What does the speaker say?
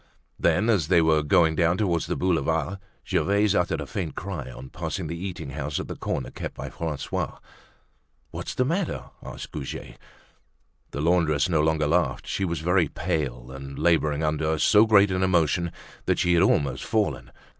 Then as they were going down towards the Boulevard, Gervaise uttered a faint cry on passing the eating house at the corner kept by Francois. "What's the matter?" asked Goujet. The laundress no longer laughed. She was very pale, and laboring under so great an emotion that she had almost fallen.